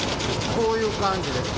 こういう感じです。